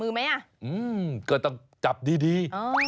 อืมก็ต้องจับดี